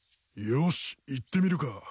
よし行ってみるか。